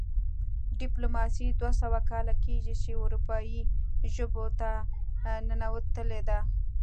ډیپلوماسي دوه سوه کاله کیږي چې اروپايي ژبو ته ننوتلې ده